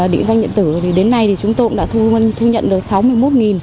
tám mươi định dạy điện tử thì đến nay chúng tôi cũng đã thu nhận được sáu mươi một định dạy